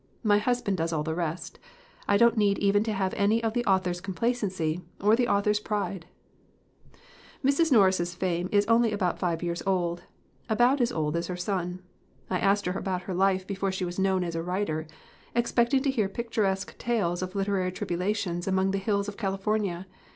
My husband does all the rest I don't need even to have any of the author's com placency, or the author's pride!" Mrs. Norris's fame is only about five years old about as old as her son. I asked her about her life before she was known as a writer, expecting to hear picturesque tales of literary tribulations among the hills of California.